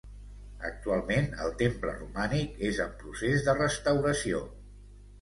Actualment el temple romànic és en procés de restauració.